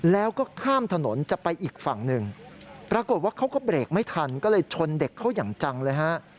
แล้วก็ข้ามถนนจะไปอีกฝั่งหนึ่งปรากฏว่าเขาก็เบรกไม่ทันก็เลยชนเด็กเขาอย่างจังเลยฮะ